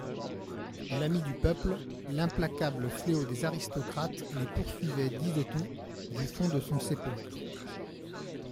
L'Ami du peuple, l'implacable fléau des aristocrates, les poursuivait, disait-on, du fond de son sépulcre.